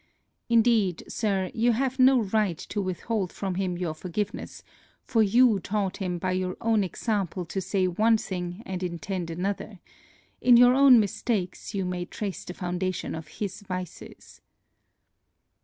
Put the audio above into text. Indeed, Sir, you have no right to withhold from him your forgiveness, for you taught him by your own example to say one thing and intend another; in your own mistakes, you may trace the foundation of his vices.